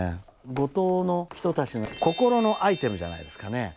五島の人たちの心のアイテムじゃないですかね。